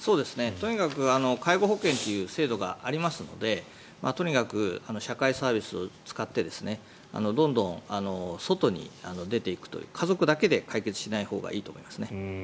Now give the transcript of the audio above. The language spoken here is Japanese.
とにかく介護保険という制度がありますのでとにかく社会サービスを使ってどんどん外に出ていくという家族だけで解決しないほうがいいと思います。